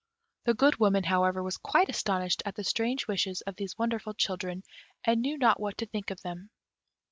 The Good Woman, however, was quite astonished at the strange wishes of these wonderful children, and knew not what to think of them.